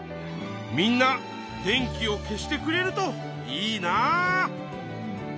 みんな電気を消してくれるといいな。